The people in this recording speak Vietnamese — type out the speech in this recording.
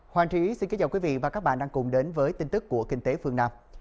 hoàng trí xin kính chào quý vị và các bạn đang cùng đến với tin tức của kinh tế phương nam